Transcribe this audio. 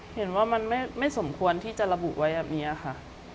เห็นว่ามันไม่สมควรที่จะระบุไว้แบบนี้ค่ะ